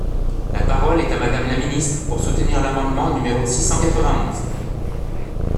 La parole est à Madame la ministre, pour soutenir l’amendement numéro six cent quatre-vingt-onze.